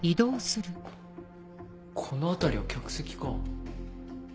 この辺りは客席か。